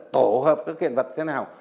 tổ hợp các cái hiện vật thế nào